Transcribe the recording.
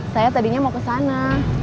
saya tadinya mau kesana